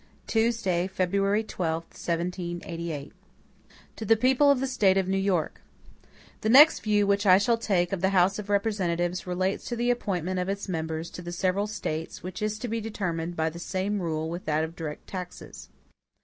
Tuesday, February 12, 1788. MADISON To the People of the State of New York: THE next view which I shall take of the House of Representatives relates to the appointment of its members to the several States which is to be determined by the same rule with that of direct taxes.